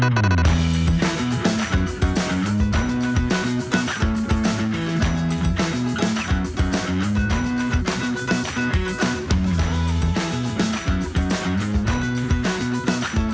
nah temen temen tadi kita udah coba keliling keliling walaupun belum semua ya